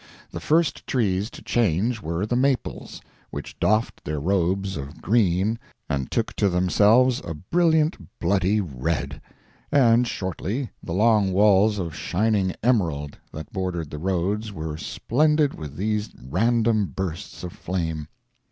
The first trees to change were the maples, which doffed their robes of green and took to themselves a brilliant bloody red—and shortly the long walls of shining emerald that bordered the roads were splendid with these random bursts of flame.